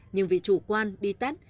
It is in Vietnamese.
nhưng vì chủ quan đi tắt